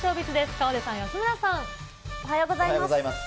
河出さん、おはようございます。